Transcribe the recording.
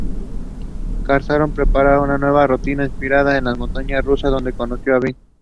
Carson prepara una nueva rutina inspirada en la montaña rusa donde conoció a Benn.